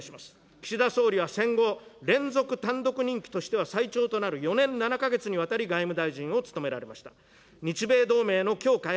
岸田総理は戦後、連続・単独任期としては最長となる４年７か月にわたり外務大臣を務められました。